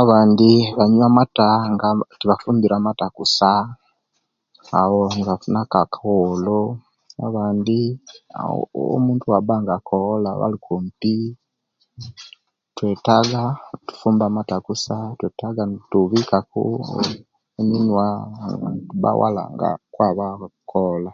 Abandi banywa amata nga tebafumbire amata kusa abo nebafuna akakuwolo abandi omuntu owa'banga akowola nga bali kumpi twetaga okufumba amata kusa twetaga okubanga tubikaku eminwa oba netuba ewala naabo abakowola.